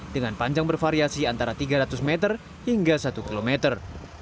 dengan panjang bervariasi antara tiga ratus meter hingga satu kilometer